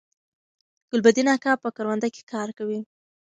ګلبدین اکا په کرونده کی کار کوي